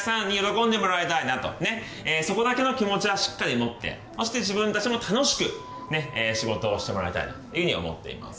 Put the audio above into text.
そこだけの気持ちはしっかり持ってそして自分たちも楽しくね仕事をしてもらいたいなというふうに思っています。